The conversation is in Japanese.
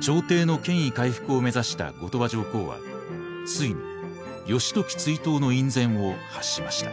朝廷の権威回復を目指した後鳥羽上皇はついに義時追討の院宣を発しました。